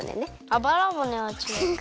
あばらぼねはちがう。